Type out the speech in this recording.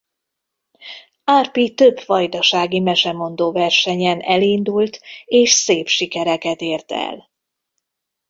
Árpi több vajdasági mesemondó versenyen elindult és szép sikereket ért el.